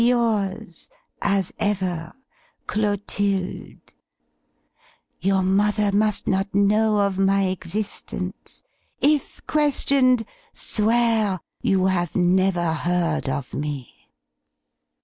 "Yours as ever, "CLOTILDE." "Your mother must not know of my existence. If questioned swear you never heard of me."